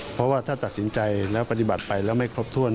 เพราะว่าถ้าตัดสินใจแล้วปฏิบัติไปแล้วไม่ครบถ้วน